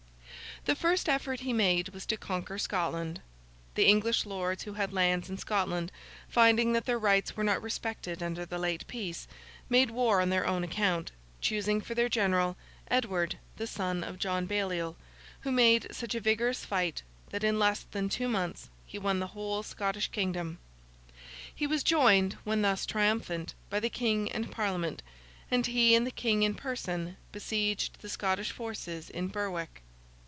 The first effort he made was to conquer Scotland. The English lords who had lands in Scotland, finding that their rights were not respected under the late peace, made war on their own account: choosing for their general, Edward, the son of John Baliol, who made such a vigorous fight, that in less than two months he won the whole Scottish Kingdom. He was joined, when thus triumphant, by the King and Parliament; and he and the King in person besieged the Scottish forces in Berwick.